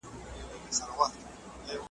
شپې رخصت پر جنازو کړې په سهار پسي سهار کې .